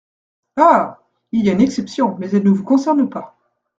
Ah ! il y a une exception, mais elle ne vous concerne pas.